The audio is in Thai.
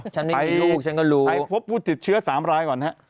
ฉันไม่มีลูกฉันก็รู้ใครพบติดเชื้อ๓ร้ายก่อนครับ